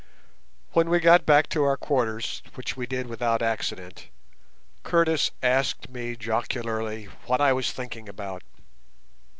When we got back to our quarters, which we did without accident, Curtis asked me jocularly what I was thinking about.